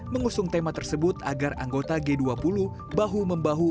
mengusung tema tersebut agar anggota g dua puluh bahu membahu